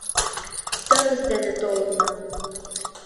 — Тыныс дене толынна!